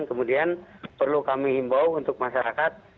kemudian perlu kami himbau untuk masyarakat